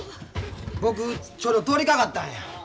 僕ちょうど通りかかったんや。